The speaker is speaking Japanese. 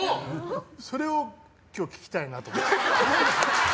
それを今日聞きたいなと。